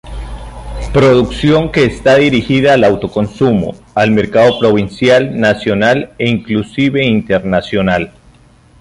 Producción que está dirigida al auto consumo, al mercado provincial, nacional e inclusive internacional.